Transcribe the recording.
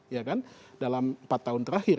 ya kan dalam empat tahun terakhir